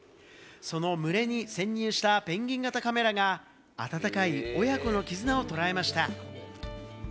その群れに潜入したペンギン型カメラが温かい親子の絆を捉えました。